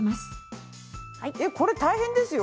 えっこれ大変ですよ。